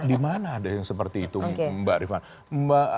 di mana ada yang seperti itu mbak rifana